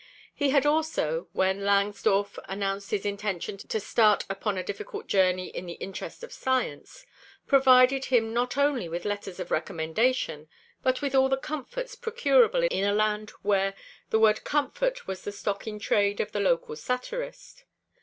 He had also, when Langsdorff announced his intention to start upon a difficult journey in the interest of science, provided him not only with letters of recommendation, but with all the comforts procurable in a land where the word comfort was the stock in trade of the local satirist.